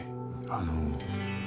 あの。